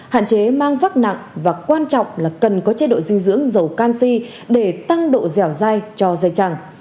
hạn chế mang vác nặng và quan trọng là cần có chế độ dinh dưỡng dầu canxi để tăng độ dẻo dai cho dây chẳng